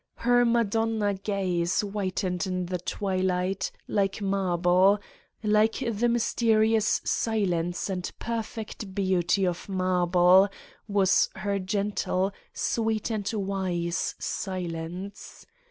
Her Ma donna gaze whitened in the twilight, like marble ; like the mysterious silence and perfect beauty of marble was her gentle, sweet and wise silence.